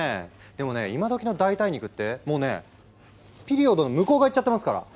でもね今どきの代替肉ってもうねピリオドの向こう側いっちゃってますから！